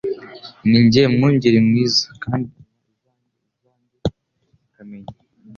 "Ninjye mwungeri mwiza, kandi menya izanjye, izanjye zikamenya,